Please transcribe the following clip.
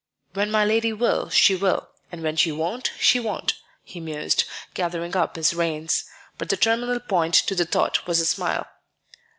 "When my lady will, she will; and when she won't, she won't," he mused, gathering up his reins. But the terminal point to the thought was a smile.